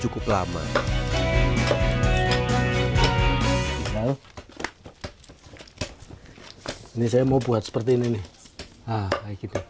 ini saya mau buat seperti ini nih